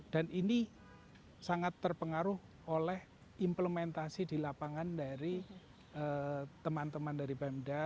dan ini sangat terpengaruh oleh implementasi di lapangan dari teman teman dari bamda